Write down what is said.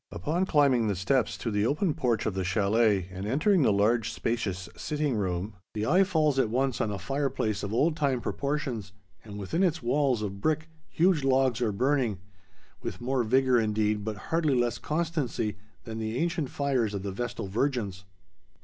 Upon climbing the steps to the open porch of the chalet and entering the large spacious sitting room, the eye falls at once on a fireplace of old time proportions, and within its walls of brick, huge logs are burning, with more vigor indeed but hardly less constancy than the ancient fires of the Vestal Virgins.